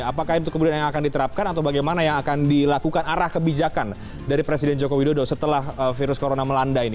apakah itu kemudian yang akan diterapkan atau bagaimana yang akan dilakukan arah kebijakan dari presiden joko widodo setelah virus corona melanda ini